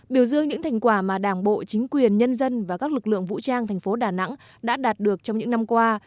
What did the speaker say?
biểu dương những thành quả mà đảng bộ chính quyền nhân dân và các lực lượng vũ trang thành phố đà nẵng đã đạt được trong những năm qua